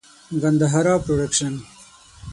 ګندهارا پروډکشن.